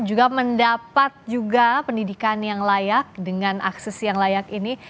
juga mendapat juga pendidikan yang layak dengan akses yang layak ini